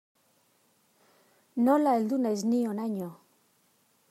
Nola heldu naiz ni honaino.